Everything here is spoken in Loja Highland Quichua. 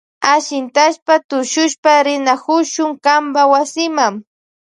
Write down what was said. Ashintashpa tushushpa rinakushun kanpa wasima.